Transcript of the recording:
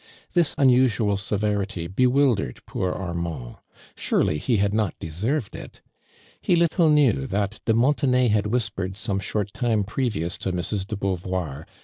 This unusual se verity bewildered poor Armand'. Surely he had not deserved it. He little knew that Ue Montetlay had whispered some short time previous to 5lrs. de BcaUvoir.